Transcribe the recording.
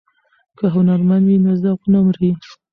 که هنرمند وي نو ذوق نه مري.